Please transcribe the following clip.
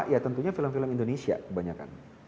ya tentunya film film indonesia kebanyakan